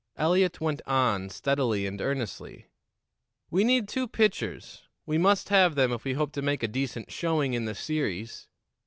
Eliot went on, steadily and earnestly: "We need two pitchers we must have them if we hope to make a decent showing in the series.